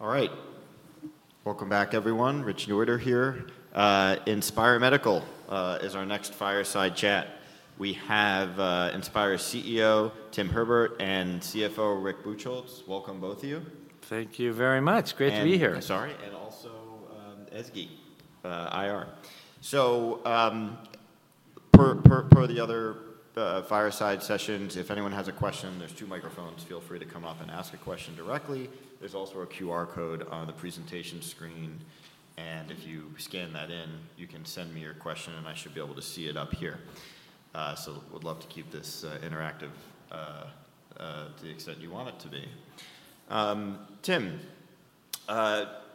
All right. Welcome back, everyone. Rich Newitter here. Inspire Medical is our next fireside chat. We have Inspire CEO Tim Herbert and CFO Rick Buchholz. Welcome, both of you. Thank you very much. Great to be here. Sorry, and also, Ezgi, IR. So, per the other fireside sessions, if anyone has a question, there's two microphones, feel free to come up and ask a question directly. There's also a QR code on the presentation screen, and if you scan that in, you can send me your question, and I should be able to see it up here. So would love to keep this interactive, to the extent you want it to be. Tim,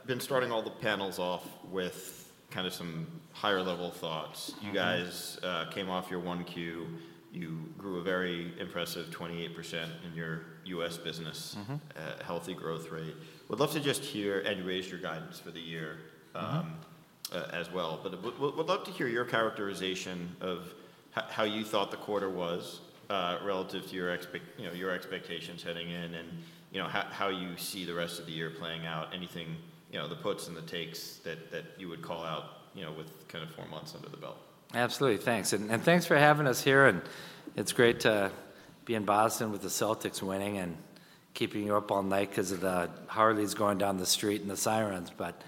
been starting all the panels off with kind of some higher-level thoughts. Mm-hmm. You guys came off your 1Q. You grew a very impressive 28% in your U.S. business. Mm-hmm. Healthy growth rate. Would love to just hear, and you raised your guidance for the year- Mm-hmm... as well. But would love to hear your characterization of how you thought the quarter was relative to your expectations heading in, and, you know, how you see the rest of the year playing out. Anything, you know, the puts and the takes that you would call out, you know, with kind of four months under the belt. Absolutely. Thanks. And, and thanks for having us here, and it's great to be in Boston with the Celtics winning and keeping you up all night 'cause of the Harleys going down the street and the sirens, but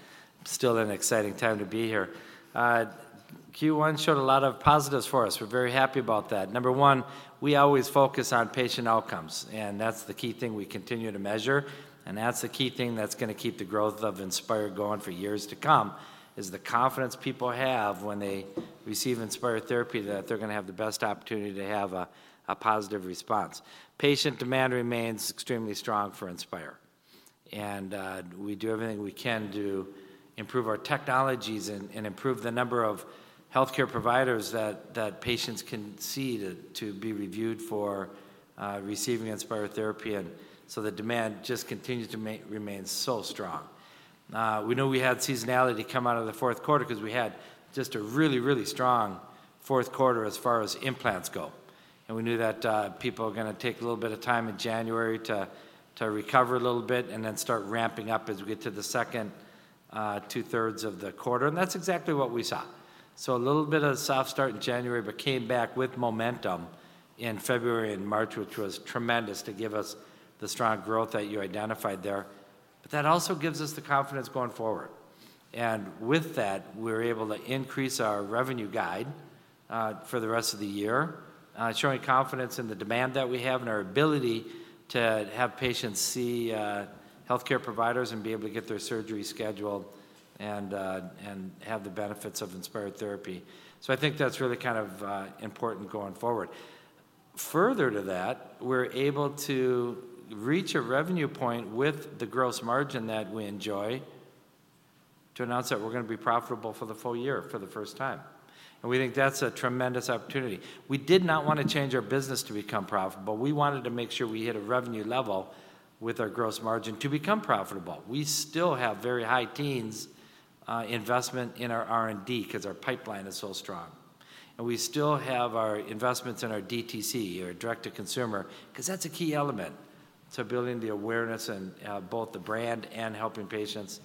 still an exciting time to be here. Q1 showed a lot of positives for us. We're very happy about that. Number one, we always focus on patient outcomes, and that's the key thing we continue to measure, and that's the key thing that's gonna keep the growth of Inspire going for years to come, is the confidence people have when they receive Inspire therapy, that they're gonna have the best opportunity to have a positive response. Patient demand remains extremely strong for Inspire, and we do everything we can to improve our technologies and improve the number of healthcare providers that patients can see to be reviewed for receiving Inspire therapy. And so the demand just continues to remain so strong. We know we had seasonality come out of the fourth quarter 'cause we had just a really, really strong fourth quarter as far as implants go. And we knew that people are gonna take a little bit of time in January to recover a little bit and then start ramping up as we get to the second two-thirds of the quarter, and that's exactly what we saw. So a little bit of a soft start in January, but came back with momentum in February and March, which was tremendous to give us the strong growth that you identified there. But that also gives us the confidence going forward. And with that, we're able to increase our revenue guide for the rest of the year, showing confidence in the demand that we have and our ability to have patients see healthcare providers and be able to get their surgery scheduled and have the benefits of Inspire therapy. So I think that's really kind of important going forward. Further to that, we're able to reach a revenue point with the gross margin that we enjoy to announce that we're gonna be profitable for the full year for the first time, and we think that's a tremendous opportunity. We did not want to change our business to become profitable. We wanted to make sure we hit a revenue level with our gross margin to become profitable. We still have very high teens investment in our R&D 'cause our pipeline is so strong, and we still have our investments in our DTC, or direct to consumer, 'cause that's a key element to building the awareness and both the brand and helping patients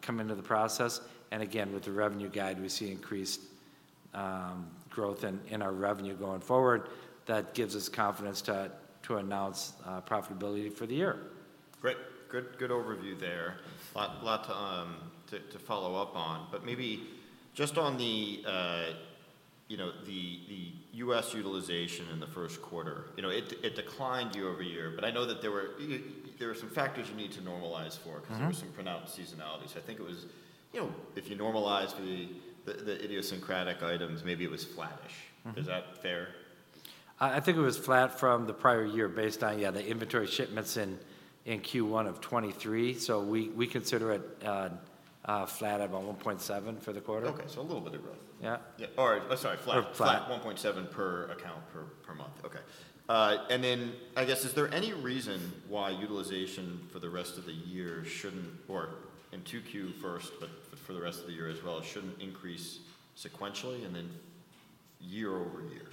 come into the process. And again, with the revenue guide, we see increased growth in our revenue going forward. That gives us confidence to announce profitability for the year. Great. Good, good overview there. Lots to follow up on, but maybe just on the, you know, the U.S. utilization in the first quarter. You know, it declined year-over-year, but I know that there were some factors you need to normalize for- Mm-hmm... 'cause there were some pronounced seasonalities. I think it was, you know, if you normalized the idiosyncratic items, maybe it was flattish. Mm-hmm. Is that fair? I think it was flat from the prior year based on, yeah, the inventory shipments in Q1 of 2023, so we consider it flat at about 1.7 for the quarter. Okay, so a little bit of growth. Yeah. Yeah. Or sorry, flat. Flat. 1.7 per account per month. Okay. And then, I guess, is there any reason why utilization for the rest of the year shouldn't... or in Q2 first, but for the rest of the year as well, shouldn't increase sequentially and then year over year?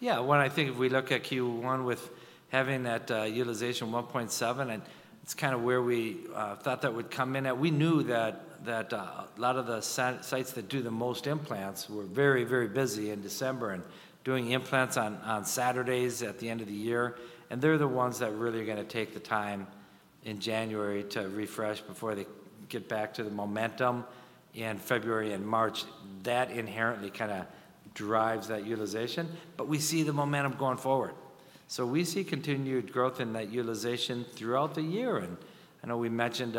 Yeah, when I think if we look at Q1 with having that utilization of 1.7, and it's kind of where we thought that would come in at. We knew that a lot of the sites that do the most implants were very, very busy in December and doing implants on Saturdays at the end of the year, and they're the ones that really are gonna take the time in January to refresh before they get back to the momentum in February and March. That inherently kind of drives that utilization, but we see the momentum going forward. So we see continued growth in that utilization throughout the year, and I know we mentioned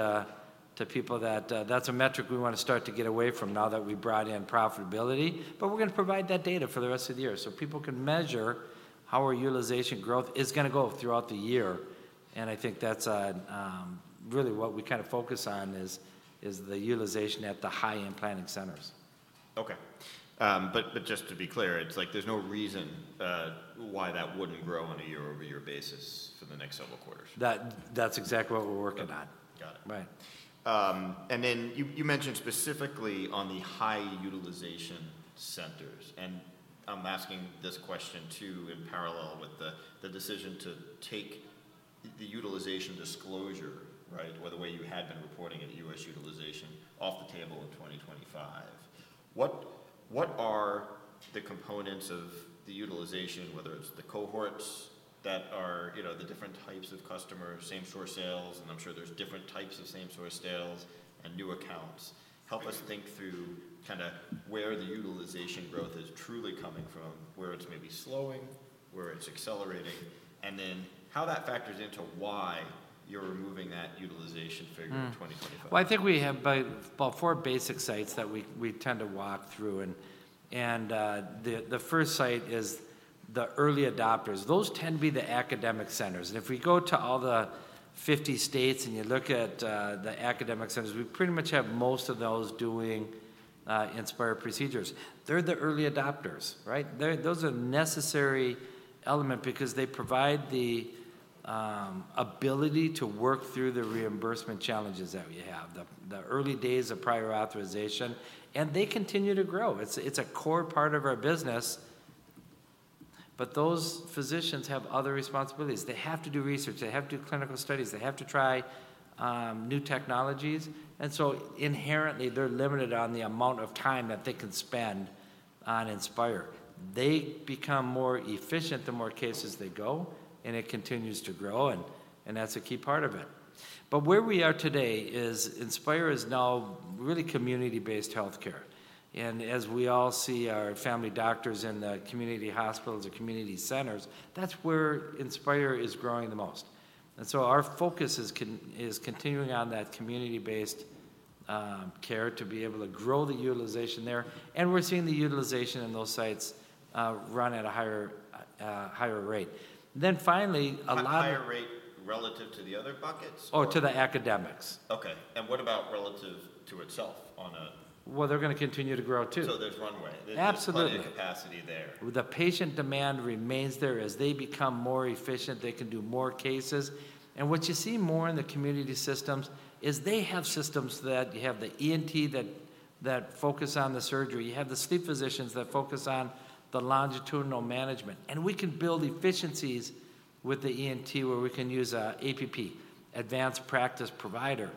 to people that that's a metric we want to start to get away from now that we brought in profitability, but we're gonna provide that data for the rest of the year so people can measure how our utilization growth is gonna go throughout the year. I think that's really what we kind of focus on, is the utilization at the high-end planning centers. Okay. But just to be clear, it's like there's no reason why that wouldn't grow on a year-over-year basis for the next several quarters. That's exactly what we're working on. Got it. Right. And then you mentioned specifically on the high-utilization centers. I'm asking this question, too, in parallel with the decision to take the utilization disclosure, right? Or the way you had been reporting it, US utilization, off the table in 2025. What are the components of the utilization, whether it's the cohorts that are, you know, the different types of customers, same-store sales, and I'm sure there's different types of same-store sales and new accounts. Help us think through kinda where the utilization growth is truly coming from, where it's maybe slowing, where it's accelerating, and then how that factors into why you're removing that utilization figure in 2025. Hmm. Well, I think we have about four basic sites that we tend to walk through, and the first site is the early adopters. Those tend to be the academic centers, and if we go to all the 50 states and you look at the academic centers, we pretty much have most of those doing Inspire procedures. They're the early adopters, right? They're. Those are a necessary element because they provide the ability to work through the reimbursement challenges that we have, the early days of prior authorization, and they continue to grow. It's a core part of our business. But those physicians have other responsibilities. They have to do research. They have to do clinical studies. They have to try new technologies, and so inherently, they're limited on the amount of time that they can spend on Inspire. They become more efficient the more cases they go, and it continues to grow, and that's a key part of it. But where we are today is Inspire is now really community-based healthcare, and as we all see our family doctors in the community hospitals or community centers, that's where Inspire is growing the most. And so our focus is continuing on that community-based care to be able to grow the utilization there, and we're seeing the utilization in those sites run at a higher rate. Then finally, a lot of- A higher rate relative to the other buckets? Oh, to the academics. Okay. And what about relative to itself on a- Well, they're gonna continue to grow, too. There's runway. Absolutely. There's quite a capacity there. The patient demand remains there. As they become more efficient, they can do more cases. What you see more in the community systems is they have systems that you have the ENT that focus on the surgery. You have the sleep physicians that focus on the longitudinal management, and we can build efficiencies with the ENT, where we can use an APP, Advanced Practice Provider,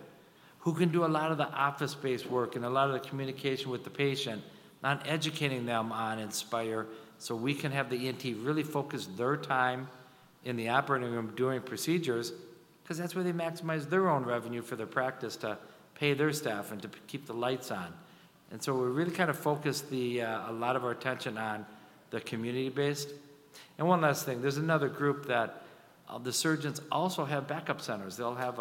who can do a lot of the office-based work and a lot of the communication with the patient on educating them on Inspire. So we can have the ENT really focus their time in the operating room doing procedures, 'cause that's where they maximize their own revenue for their practice to pay their staff and to keep the lights on. So we're really kind of focused a lot of our attention on the community-based. And one last thing, there's another group that the surgeons also have backup centers. They'll have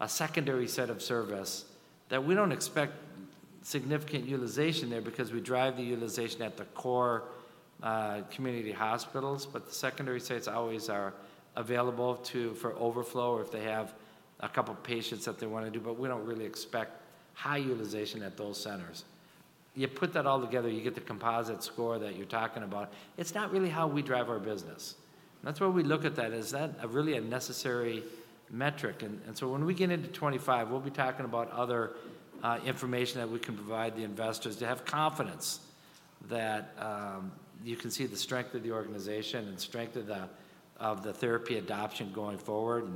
a secondary set of service that we don't expect significant utilization there because we drive the utilization at the core, community hospitals. But the secondary sites always are available to, for overflow or if they have a couple patients that they wanna do, but we don't really expect high utilization at those centers. You put that all together, you get the composite score that you're talking about. It's not really how we drive our business. That's why we look at that. Is that really a necessary metric? And so when we get into 25, we'll be talking about other information that we can provide the investors to have confidence that you can see the strength of the organization and strength of the therapy adoption going forward.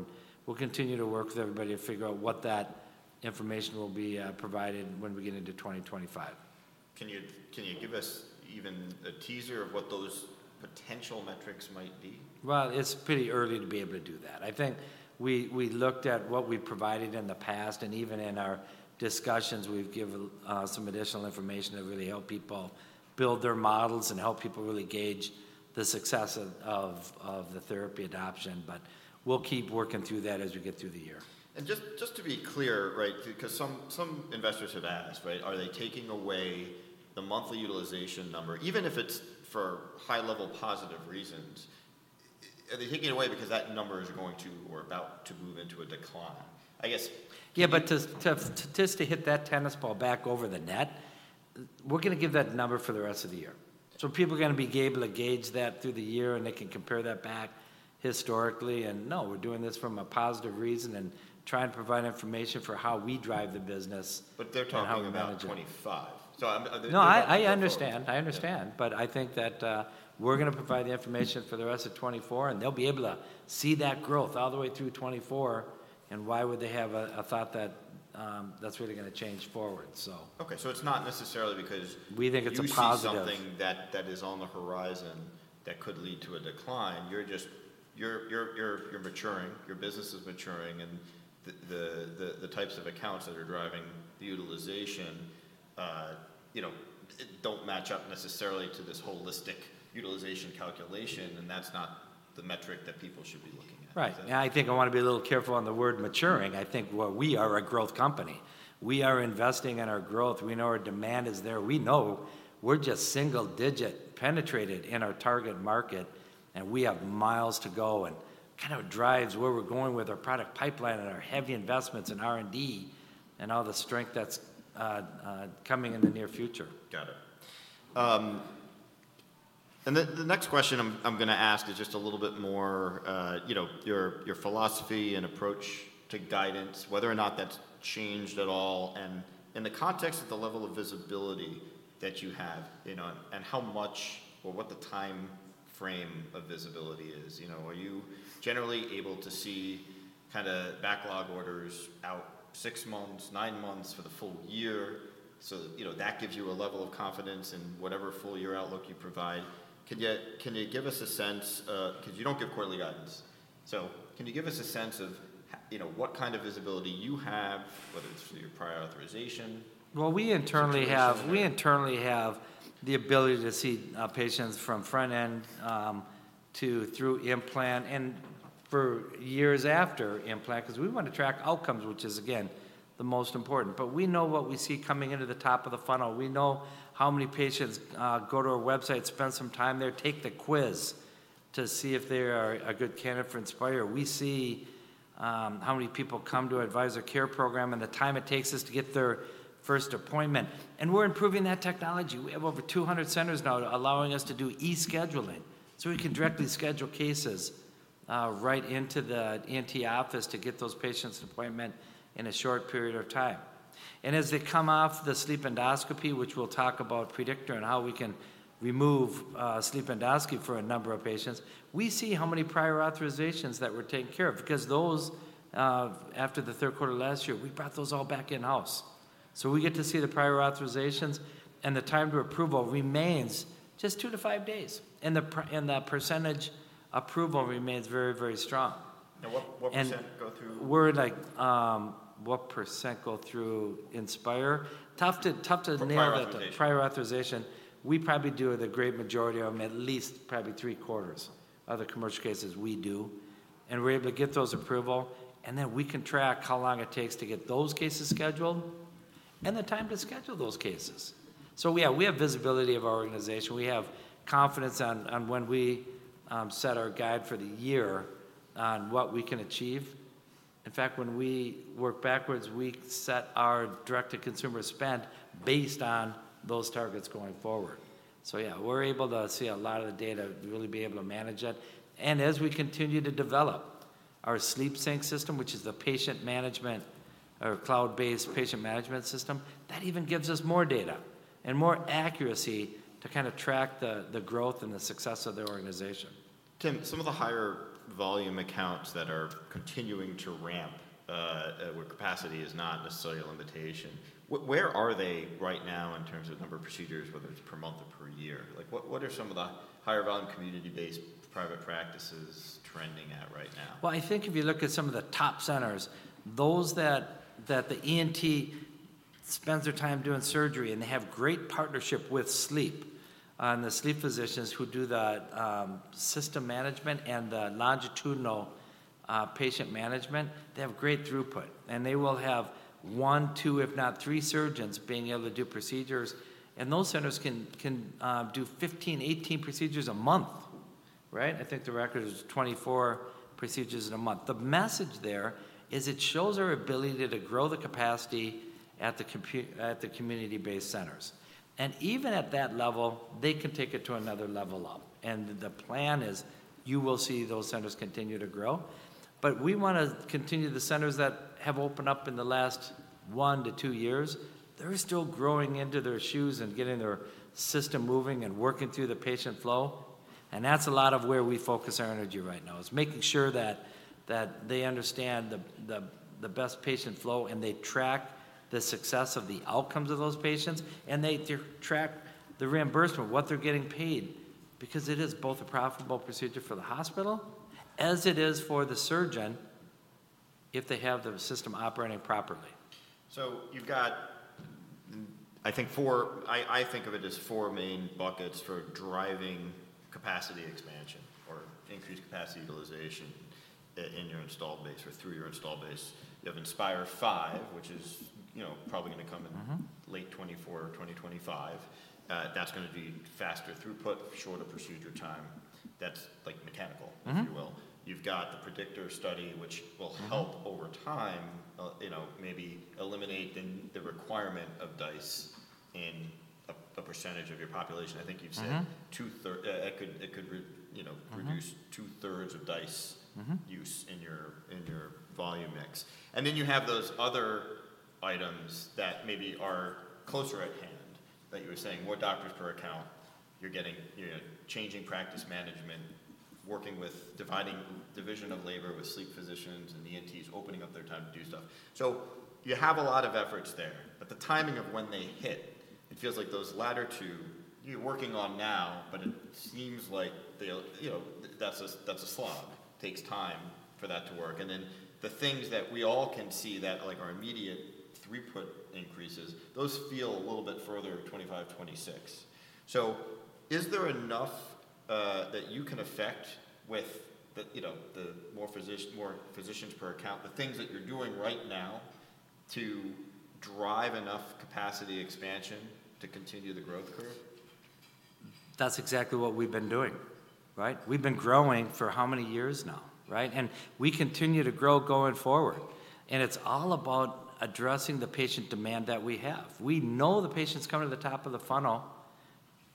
We'll continue to work with everybody to figure out what that information will be, provided when we get into 2025. Can you give us even a teaser of what those potential metrics might be? Well, it's pretty early to be able to do that. I think we looked at what we provided in the past, and even in our discussions, we've given some additional information to really help people build their models and help people really gauge the success of the therapy adoption. But we'll keep working through that as we get through the year. Just to be clear, right, because some investors have asked, right? Are they taking away the monthly utilization number, even if it's for high-level positive reasons? Are they taking it away because that number is going to or about to move into a decline? I guess- Yeah, but to just to hit that tennis ball back over the net, we're gonna give that number for the rest of the year. So people are gonna be able to gauge that through the year, and they can compare that back historically. And no, we're doing this from a positive reason and trying to provide information for how we drive the business. But they're talking about 25. How we manage it. So I'm No, I understand. I understand. Yeah. But I think that, we're gonna provide the information for the rest of 2024, and they'll be able to see that growth all the way through 2024, and why would they have a, a thought that, that's really gonna change forward, so? Okay, so it's not necessarily because- We think it's a positive-... you see something that is on the horizon that could lead to a decline. You're just maturing, your business is maturing, and the types of accounts that are driving the utilization, you know, don't match up necessarily to this holistic utilization calculation, and that's not the metric that people should be looking at. Right. Is that- I think I wanna be a little careful on the word maturing. I think what we are, a growth company. We are investing in our growth. We know our demand is there. We know we're just single digit penetrated in our target market, and we have miles to go, and kind of drives where we're going with our product pipeline and our heavy investments in R&D and all the strength that's coming in the near future. Got it. And the next question I'm gonna ask is just a little bit more, you know, your philosophy and approach to guidance, whether or not that's changed at all, and in the context of the level of visibility that you have, you know, and how much or what the timeframe of visibility is. You know, are you generally able to see kinda backlog orders out 6 months, 9 months, for the full year? So, you know, that gives you a level of confidence in whatever full year outlook you provide. Can you give us a sense, 'cause you don't give quarterly guidance. So can you give us a sense of, you know, what kind of visibility you have, whether it's through your prior authorization- Well, we internally have- -situation or- We internally have the ability to see patients from front end to through implant and for years after implant. 'Cause we wanna track outcomes, which is, again, the most important. But we know what we see coming into the top of the funnel. We know how many patients go to our website, spend some time there, take the quiz to see if they are a good candidate for Inspire. We see how many people come to our Advisor Care Program and the time it takes us to get their first appointment, and we're improving that technology. We have over 200 centers now allowing us to do e-scheduling, so we can directly schedule cases right into the ENT office to get those patients an appointment in a short period of time. As they come off the sleep endoscopy, which we'll talk about PREDICTOR and how we can remove sleep endoscopy for a number of patients, we see how many prior authorizations that were taken care of. Because those, after the third quarter of last year, we brought those all back in-house. We get to see the prior authorizations, and the time to approval remains just 2-5 days, and the per- and the percentage approval remains very, very strong. Now, what, what percent go through- We're like, What percent go through Inspire? Tough to, tough to nail that- For prior authorization. Prior authorization. We probably do the great majority of them, at least probably three-quarters of the commercial cases we do, and we're able to get those approval, and then we can track how long it takes to get those cases scheduled and the time to schedule those cases. So yeah, we have visibility of our organization. We have confidence on when we set our guide for the year on what we can achieve. In fact, when we work backwards, we set our direct-to-consumer spend based on those targets going forward. So yeah, we're able to see a lot of the data, really be able to manage it. And as we continue to develop our SleepSync system, which is the patient management or cloud-based patient management system, that even gives us more data and more accuracy to kind of track the growth and the success of the organization. Tim, some of the higher volume accounts that are continuing to ramp, where capacity is not necessarily a limitation, where are they right now in terms of number of procedures, whether it's per month or per year? Like, what, what are some of the higher volume, community-based private practices trending at right now? Well, I think if you look at some of the top centers, those that the ENT spends their time doing surgery, and they have great partnership with sleep, the sleep physicians who do the system management and the longitudinal patient management, they have great throughput, and they will have one, two, if not three surgeons being able to do procedures. And those centers can do 15, 18 procedures a month, right? I think the record is 24 procedures in a month. The message there is it shows our ability to grow the capacity at the community-based centers. And even at that level, they can take it to another level up, and the plan is you will see those centers continue to grow. But we wanna continue the centers that have opened up in the last one to two years. They're still growing into their shoes and getting their system moving and working through the patient flow, and that's a lot of where we focus our energy right now is making sure that they understand the best patient flow, and they track the success of the outcomes of those patients, and they track the reimbursement, what they're getting paid. Because it is both a profitable procedure for the hospital as it is for the surgeon if they have their system operating properly. So you've got, I think, four... I think of it as four main buckets for driving capacity expansion or increased capacity utilization in your installed base or through your installed base. You have Inspire V, which is, you know, probably gonna come in- Mm-hmm late 2024 or 2025. That's gonna be faster throughput, shorter procedure time. That's, like, mechanical- Mm-hmm -if you will. You've got the PREDICTOR Study, which will- Mm-hmm -help over time, you know, maybe eliminate the requirement of DISE in a percentage of your population. I think you've said- Mm-hmm two-thirds, it could, it could, you know- Mm-hmm reduce two-thirds of DISE Mm-hmm Use in your, in your volume mix. And then you have those other items that maybe are closer at hand, that you were saying, more doctors per account. You're getting, you know, changing practice management, working with dividing division of labor with sleep physicians and ENTs, opening up their time to do stuff. So you have a lot of efforts there, but the timing of when they hit, it feels like those latter two, you're working on now, but it seems like they'll, you know, that's a, that's a slog. Takes time for that to work. And then the things that we all can see that, like, are immediate throughput increases, those feel a little bit further, 2025, 2026. So is there enough, that you can affect with the, you know, the more physicians per account, the things that you're doing right now to drive enough capacity expansion to continue the growth curve? That's exactly what we've been doing... Right? We've been growing for how many years now, right? And we continue to grow going forward, and it's all about addressing the patient demand that we have. We know the patients coming to the top of the funnel,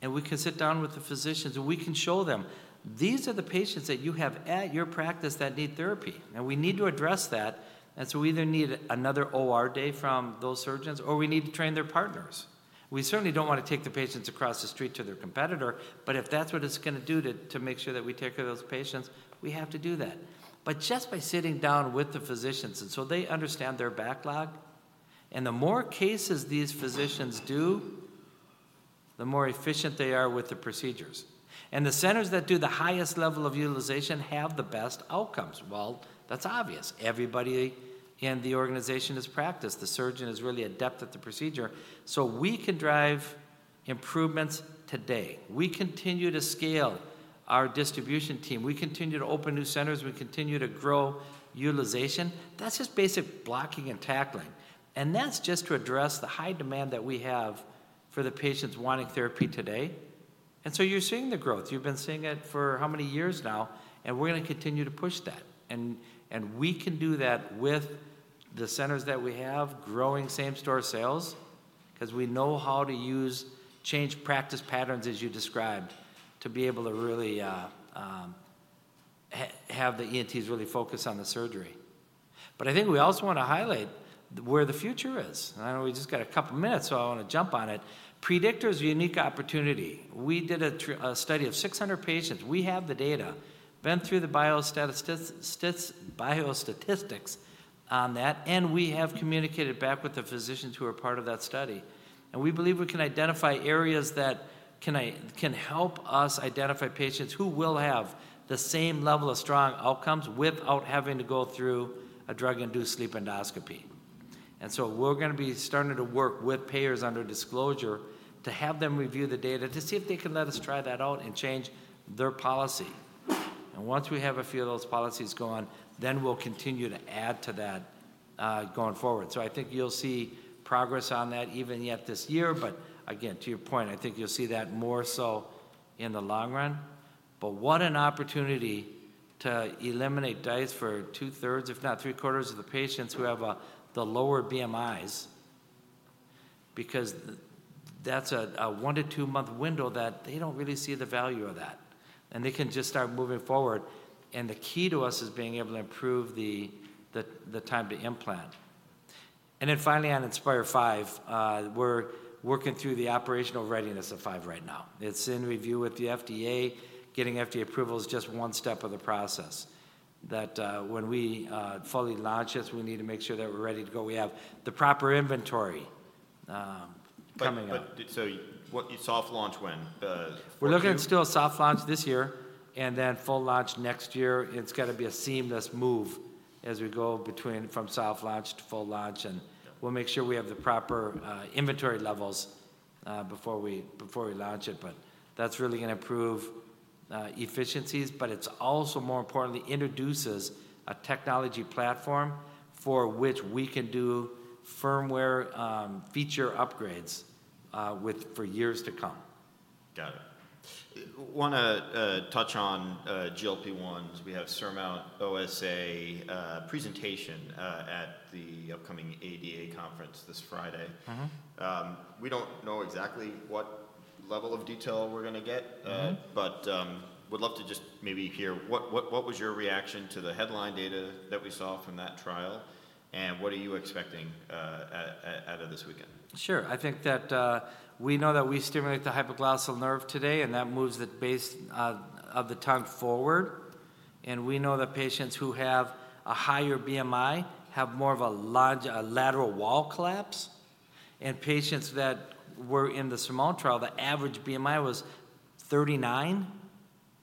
and we can sit down with the physicians, and we can show them, "These are the patients that you have at your practice that need therapy." Now, we need to address that, and so we either need another OR day from those surgeons, or we need to train their partners. We certainly don't want to take the patients across the street to their competitor, but if that's what it's gonna do to, to make sure that we take care of those patients, we have to do that. But just by sitting down with the physicians, and so they understand their backlog, and the more cases these physicians do, the more efficient they are with the procedures. The centers that do the highest level of utilization have the best outcomes. Well, that's obvious. Everybody in the organization has practiced. The surgeon is really adept at the procedure. So we can drive improvements today. We continue to scale our distribution team. We continue to open new centers. We continue to grow utilization. That's just basic blocking and tackling, and that's just to address the high demand that we have for the patients wanting therapy today. So you're seeing the growth. You've been seeing it for how many years now? And we're gonna continue to push that. And we can do that with the centers that we have, growing same-store sales, 'cause we know how to use change practice patterns as you described, to be able to really have the ENTs really focus on the surgery. But I think we also want to highlight where the future is. I know we just got a couple minutes, so I want to jump on it. PREDICTOR is a unique opportunity. We did a study of 600 patients. We have the data, been through the biostatistics on that, and we have communicated back with the physicians who are part of that study. We believe we can identify areas that can help us identify patients who will have the same level of strong outcomes without having to go through a drug-induced sleep endoscopy. So we're gonna be starting to work with payers under disclosure to have them review the data to see if they can let us try that out and change their policy. And once we have a few of those policies going, then we'll continue to add to that, going forward. So I think you'll see progress on that even yet this year, but again, to your point, I think you'll see that more so in the long run. But what an opportunity to eliminate DISE for two-thirds, if not three-quarters, of the patients who have the lower BMIs, because that's a 1-2-month window that they don't really see the value of that. And they can just start moving forward, and the key to us is being able to improve the time to implant. Then finally, on Inspire V, we're working through the operational readiness of V right now. It's in review with the FDA. Getting FDA approval is just one step of the process, when we fully launch this, we need to make sure that we're ready to go. We have the proper inventory coming up. But so what? You soft launch when? Fourth Q? We're looking at still a soft launch this year and then full launch next year. It's got to be a seamless move as we go between from soft launch to full launch, and- Yeah... we'll make sure we have the proper inventory levels before we launch it, but that's really gonna improve efficiencies. But it's also, more importantly, introduces a technology platform for which we can do firmware feature upgrades for years to come. Got it. I wanna touch on GLP-1s. We have SURMOUNT-OSA presentation at the upcoming ADA conference this Friday. Mm-hmm. We don't know exactly what level of detail we're gonna get- Mm-hmm... but, would love to just maybe hear what was your reaction to the headline data that we saw from that trial, and what are you expecting out of this weekend? Sure. I think that we know that we stimulate the hypoglossal nerve today, and that moves the base of the tongue forward. And we know that patients who have a higher BMI have more of a large, a lateral wall collapse. And patients that were in the SURMOUNT trial, the average BMI was 39,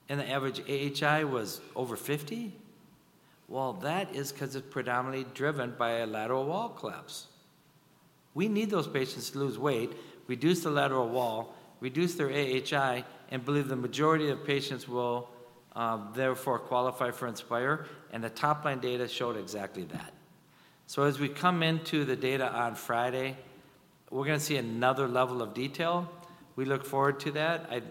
and the average AHI was over 50. Well, that is 'cause it's predominantly driven by a lateral wall collapse. We need those patients to lose weight, reduce the lateral wall, reduce their AHI, and believe the majority of patients will therefore qualify for Inspire, and the top-line data showed exactly that. So as we come into the data on Friday, we're gonna see another level of detail. We look forward to that.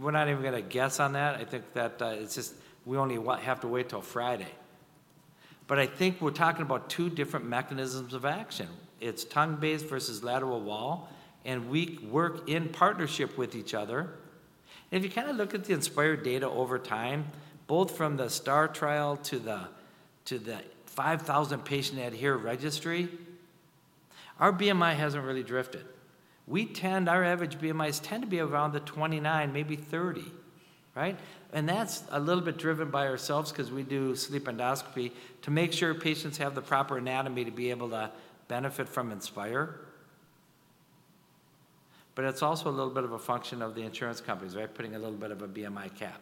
We're not even gonna guess on that. I think that, it's just we only have to wait till Friday. But I think we're talking about two different mechanisms of action. It's tongue-based versus lateral wall, and we work in partnership with each other. If you kind of look at the Inspire data over time, both from the STAR trial to the 5,000 patient ADHERE Registry, our BMI hasn't really drifted. We tend. Our average BMIs tend to be around the 29, maybe 30, right? And that's a little bit driven by ourselves 'cause we do sleep endoscopy to make sure patients have the proper anatomy to be able to benefit from Inspire. But it's also a little bit of a function of the insurance companies, right? Putting a little bit of a BMI cap.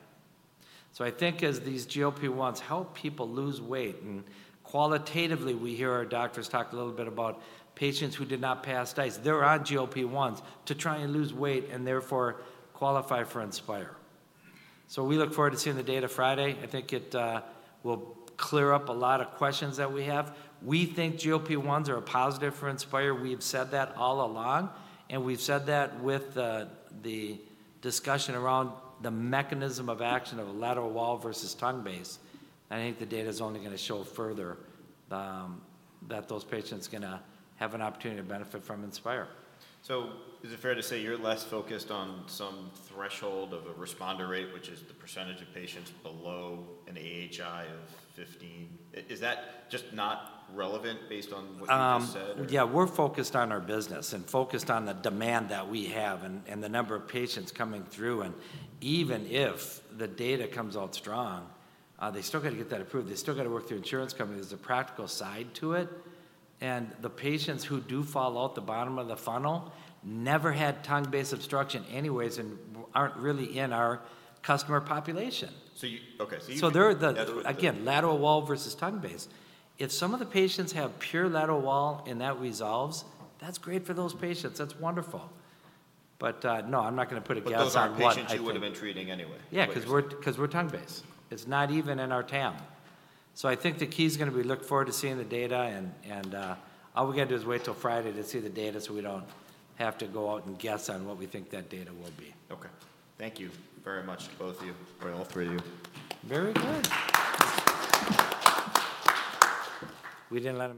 So I think as these GLP-1s help people lose weight, and qualitatively, we hear our doctors talk a little bit about patients who did not pass DISE. They're on GLP-1s to try and lose weight and therefore qualify for Inspire. So we look forward to seeing the data Friday. I think it will clear up a lot of questions that we have. We think GLP-1s are a positive for Inspire. We have said that all along, and we've said that with the discussion around the mechanism of action of a lateral wall versus tongue base. I think the data's only gonna show further that those patients gonna have an opportunity to benefit from Inspire. So is it fair to say you're less focused on some threshold of a responder rate, which is the percentage of patients below an AHI of 15? Is that just not relevant based on what you just said? Or- Yeah, we're focused on our business and focused on the demand that we have and the number of patients coming through. Even if the data comes out strong, they still got to get that approved. They still got to work through insurance companies. There's a practical side to it, and the patients who do fall out the bottom of the funnel never had tongue-based obstruction anyways and aren't really in our customer population. Okay, so you- So they're the- That's what- Again, lateral wall versus tongue-based. If some of the patients have pure lateral wall and that resolves, that's great for those patients. That's wonderful. But, no, I'm not gonna put a guess on what I think. But those aren't patients you would have been treating anyway. Yeah- 'Cause-... 'cause we're tongue-based. It's not even in our TAM. So I think the key is gonna be look forward to seeing the data, and all we got to do is wait till Friday to see the data, so we don't have to go out and guess on what we think that data will be. Okay. Thank you very much, both of you, or all three of you. Very good! We didn't let him-